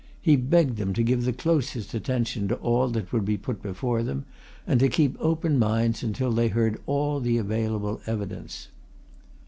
He begged them to give the closest attention to all that would be put before them, and to keep open minds until they heard all the available evidence.